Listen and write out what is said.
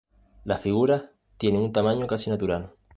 Las figuras tienen un tamaño casi natural.